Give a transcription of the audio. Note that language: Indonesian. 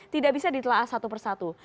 tidak bisa ditelaas satu persatu